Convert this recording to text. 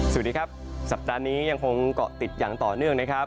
สวัสดีครับสัปดาห์นี้ยังคงเกาะติดอย่างต่อเนื่องนะครับ